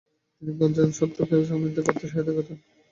তিনি গ্ঝান-স্তোং তত্ত্বকে সমৃদ্ধ করতে সহায়তা করেন।